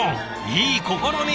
いい試み！